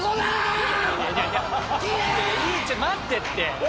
待ってって。